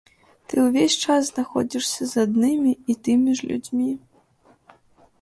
Ты ўвесь час знаходзішся з аднымі і тымі ж людзьмі.